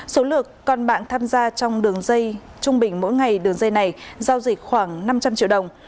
số lượt con bạn tham gia trong đường dây trung bình mỗi ngày đường dây này giao dịch khoảng năm trăm linh triệu đồng